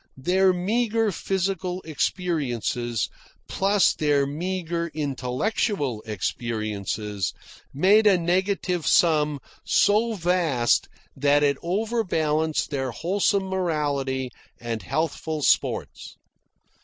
Their meagre physical experiences, plus their meagre intellectual experiences, made a negative sum so vast that it overbalanced their wholesome morality and healthful sports.